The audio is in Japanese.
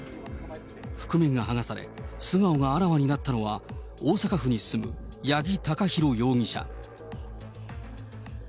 覆面が剥がされ、素顔があらわになったのは、大阪府に住む八木貴寛容疑者。